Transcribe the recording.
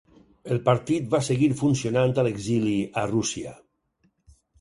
El partit va seguir funcionant a l'exili a Rússia.